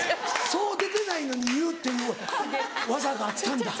そう出てないのに言うっていう技があったんだ。